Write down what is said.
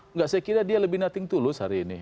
enggak saya kira dia lebih nothing to lose hari ini